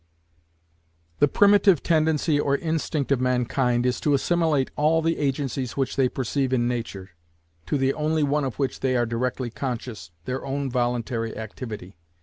The primitive tendency or instinct of mankind is to assimilate all the agencies which they perceive in Nature, to the only one of which they are directly conscious, their own voluntary activity.